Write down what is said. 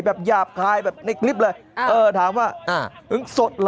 หยาบคายแบบในคลิปเลยเออถามว่าอ่ามึงสดเหรอ